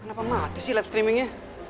kenapa mati sih live streamingnya